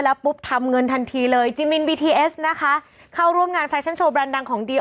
แล้วปุ๊บทำเงินทันทีเลยจิมินบีทีเอสนะคะเข้าร่วมงานแฟชั่นโชว์แรนดดังของดี